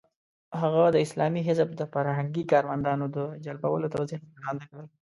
هغه د اسلامي حزب د فرهنګي کارمندانو د جلبولو توضیحات وړاندې کړل.